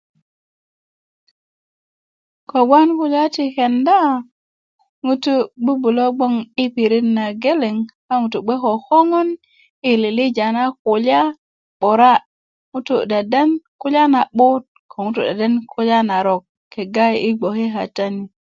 kobgoŋ kulya ti kenda ŋutu bubulö bgoŋ i pirit na geleŋ a ŋutu bge ko koŋön i lilija na kulyan'bura ŋutu deden kulya na'but ko ŋutu deden kulya narok kega i bgoke kata ni